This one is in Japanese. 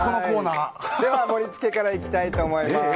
盛り付けからいきたいと思います。